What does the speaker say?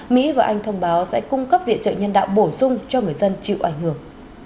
mỹ và anh thông báo sẽ cung cấp viện trợ nhân đạo bổ sung cho người dân chịu ảnh hưởng